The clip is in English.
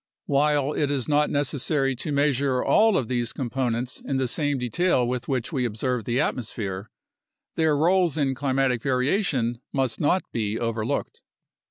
While it is not necessary to measure all of these com ponents in the same detail with which we observe the atmosphere, their roles in climatic variation must not be overlooked.